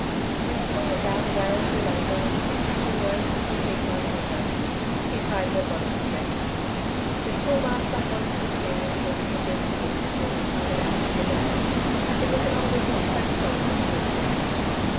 When school was out, a day or two later, Mrs. Cameron rose from her seat by the window. She tied her bonnet strings. The Schoolmaster hummed the tune the children had been singing before they clattered out for the day; it was an old English folk song that he had taught them.